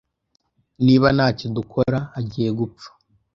Niba ntacyo dukora, agiye gupfa.